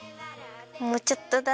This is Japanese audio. もうちょっとだ！